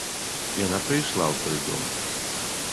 Яна прыйшла ў той дом.